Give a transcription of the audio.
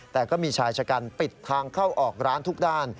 แต่ก็มีชายชะกันปิดทางเข้าออกร้านทุกด้าน